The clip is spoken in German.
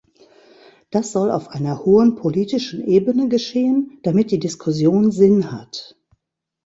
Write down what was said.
Das soll auf einer hohen politischen Ebene geschehen, damit die Diskussion Sinn hat.